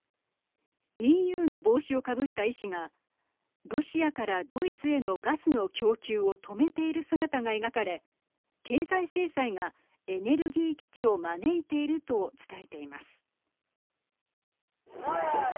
ＥＵの帽子をかぶった医師がロシアからドイツへのガスの供給を止めている姿が描かれ経済制裁がエネルギー危機を招いていると伝えています。